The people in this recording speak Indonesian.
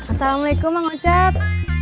assalamualaikum mang ocat